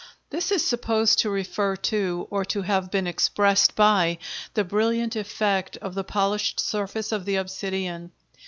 This is supposed to refer to, or to have been expressed by, the brilliant effect of the polished surface of the obsidian.